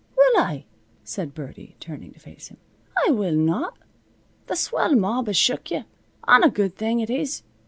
"Will I?" said Birdie, turning to face him. "I will not. Th' swell mob has shook you, an' a good thing it is.